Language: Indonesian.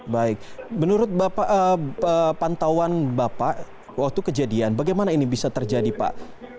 baik menurut pantauan bapak waktu kejadian bagaimana ini bisa terjadi pak